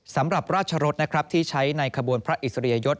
สำหรับราชรสนะครับที่ใช้ในขบวนพระอิสริยยศ